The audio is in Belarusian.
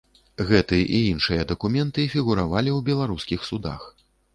Гэты і іншыя дакументы фігуравалі ў беларускіх судах.